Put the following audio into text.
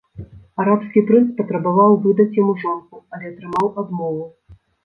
Арабскі прынц патрабаваў выдаць яму жонку, але атрымаў адмову.